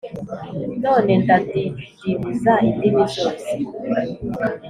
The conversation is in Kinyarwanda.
none ndadidibuza indimi zose.